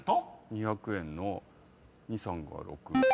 ２００円の２×３＝６。